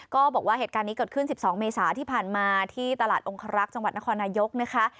ก็บอกว่าเหตุการณ์นี้เกิดขึ้น๑๒เมษาที่ผ่านมาที่ตลาดองครักษ์จังหวัดนครนายกนะคะ